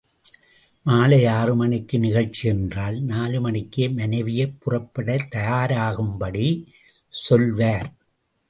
மாலை ஆறு மணிக்கு நிகழ்ச்சி என்றால் நாலு மணிக்கே மனைவியைப் புறப்படத் தயாராகும்படி சொல்வார்.